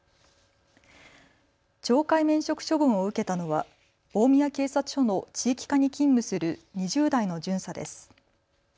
懲戒免職処分を受けたのは大宮警察署の地域課に勤務する２０代の巡査です。